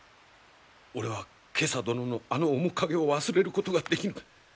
俺は袈裟殿のあの面影を忘れることができぬ。